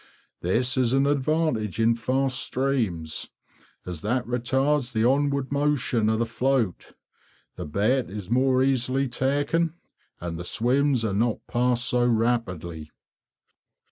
This is an advantage in fast streams, as it retards the onward motion of the float, the bait is more easily taken, and the swims are not passed so rapidly.